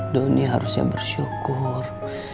doni harusnya bersyukur